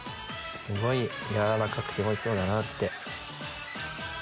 すごい軟らかくておいしそうだなぁって。